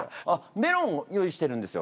メロン用意してるんですよ